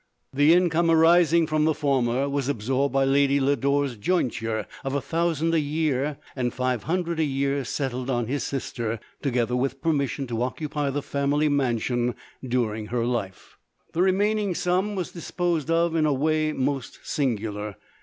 The income arising from the former was absorbed by Lady Lodore "> jointure of a thousand a year, and five hundred a year settled on his sister, together with permis sion to occupy the family mansion during her life. The remaining sum was disposed of in a way most singular.